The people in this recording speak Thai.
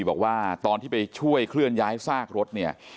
บอกว่าตอนที่ไปช่วยเคลื่อนย้ายซากรถเนี่ย